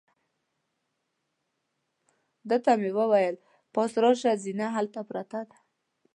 ده ته مې وویل: پاس راشه، زینه هلته پرته ده.